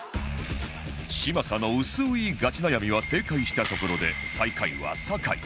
嶋佐の薄いガチ悩みは正解したところで最下位は酒井